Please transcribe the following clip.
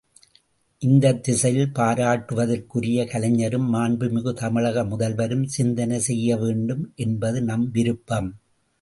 இந்தத் திசையில் பாராட்டுதலுக்குரிய கலைஞரும் மாண்புமிகு தமிழக முதல்வரும் சிந்தனை செய்ய வேண்டும் என்பது நமது விருப்பம்.